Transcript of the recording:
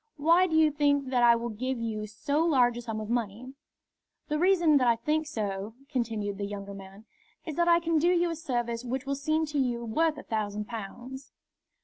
Why do you think that I will give you so large a sum of money?" "The reason that I think so," continued the younger man, "is that I can do you a service which will seem to you worth a thousand pounds."